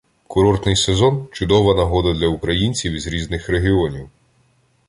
Курортний сезон – чудова нагода для українців із різних регіонів